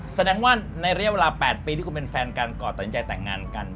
แสดงว่าในระยะเวลา๘ปีที่คุณเป็นแฟนกันก่อนตัดสินใจแต่งงานกัน